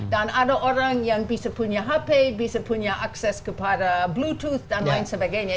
dan ada orang yang bisa punya hp bisa punya akses kepada bluetooth dan lain sebagainya